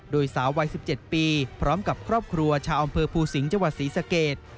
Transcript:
โดยสาววัย๑๗ปีพร้อมกับครอบครัวชาวอำเภอภูสิงห์จังหวัดศรีสเกต